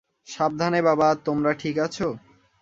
সাবধানে বাবা তোমরা ঠিক আছো?